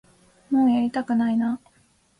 もうやりたくないな